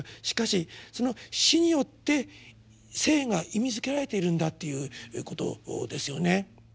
しかしその死によって生が意味づけられているんだということですよね。